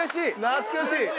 懐かしい！